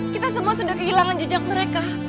kita semua sudah kehilangan jejak mereka